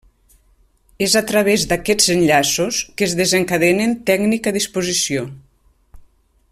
És a través d'aquests enllaços que es desencadenen tècnic a disposició.